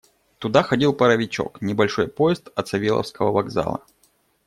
Туда ходил паровичок — небольшой поезд от Савеловского вокзала.